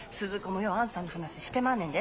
もようあんさんの話してまんねんで。